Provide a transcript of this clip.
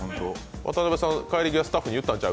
渡部さん、帰り際、スタッフに言ったんちゃう？